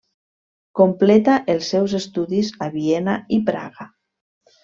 Completa els seus estudis a Viena i Praga.